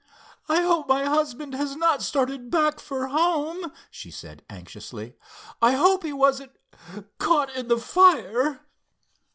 "I hope my husband has not started back for home," she said, anxiously—"I hope he wasn't caught in the fire."